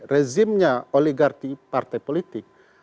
rezimnya oligarki partai politik